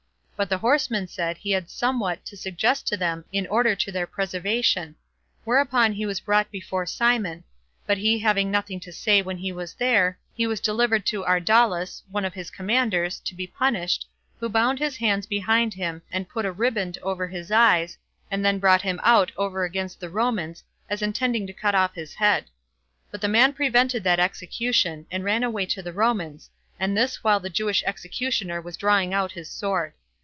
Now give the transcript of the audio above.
But the horseman said he had somewhat to suggest to them in order to their preservation; whereupon he was brought before Simon; but he having nothing to say when he was there, he was delivered to Ardalas, one of his commanders, to be punished, who bound his hands behind him, and put a riband over his eyes, and then brought him out over against the Romans, as intending to cut off his head. But the man prevented that execution, and ran away to the Romans, and this while the Jewish executioner was drawing out his sword.